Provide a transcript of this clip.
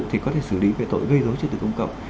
thì có thể xử lý về tội gây dối trực tực công cộng